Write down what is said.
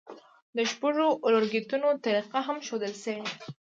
د شپږو اورلګیتونو طریقه هم ښودل شوې ده.